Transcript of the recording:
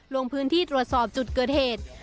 ลงพื้นที่ตรวจสอบจุดเกิดเหตุ